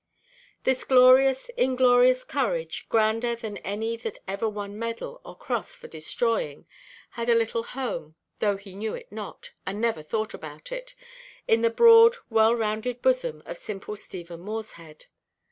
This glorious inglorious courage, grander than any that ever won medal or cross for destroying, had a little home—though he knew it not, and never thought about it—in the broad, well–rounded bosom of simple Stephen Morshead.